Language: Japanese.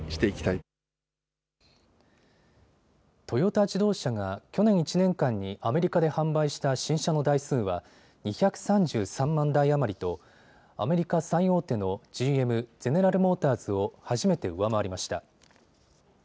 トヨタ自動車が去年１年間にアメリカで販売した新車の台数は２３３万台余りとアメリカ最大手のＧＭ・ゼネラル・モーターズを初めて上回りました。